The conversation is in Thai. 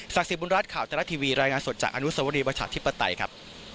ศักดิ์สิทธิ์บุญรัฐข่าวแต่ละทีวีรายงานสดจากอนุสาวรีประชาธิปไตยครับ